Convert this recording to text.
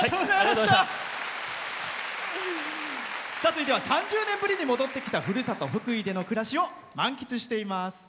続いては３０年ぶりに戻ってきたふるさと・福井の暮らしを満喫しています。